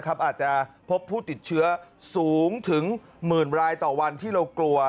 อาจจะพบผู้ติดเชื้อสูงถึงหมื่นรายต่อวันที่เรากลัว